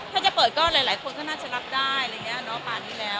ถ้าจะเปิดก็หลายคนก็น่าจะรับได้อะไรอย่างนี้เนาะป่านนี้แล้ว